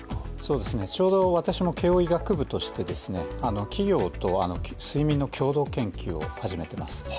ちょうど、私も慶応医学部として企業と睡眠の共同研究を始めています。